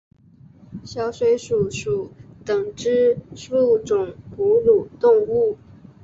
小水鼠属等之数种哺乳动物。